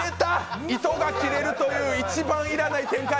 糸が切れるという一番要らない展開！